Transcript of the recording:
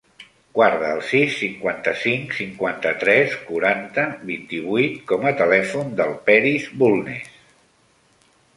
Guarda el sis, cinquanta-cinc, cinquanta-tres, quaranta, vint-i-vuit com a telèfon del Peris Bulnes.